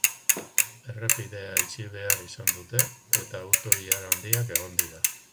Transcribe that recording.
Errepidea itxi behar izan dute, eta auto-ilara handiak egon dira.